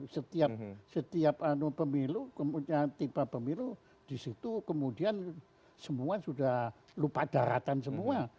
setiap setiap anu pemilu kemudian tipe pemilu di situ kemudian semua sudah lupa daratan semua